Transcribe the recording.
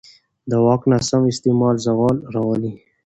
د واک ناسم استعمال زوال راولي